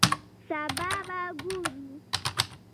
سبا به ګورو